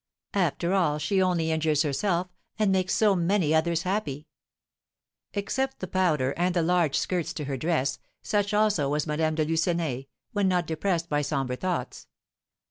After all, she only injures herself, and makes so many others happy!" Except the powder and the large skirts to her dress, such also was Madame de Lucenay, when not depressed by sombre thoughts.